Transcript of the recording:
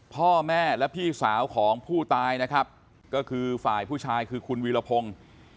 พ่อแม่และพี่สาวของผู้ตายนะครับก็คือฝ่ายผู้ชายคือคุณวีรพงศ์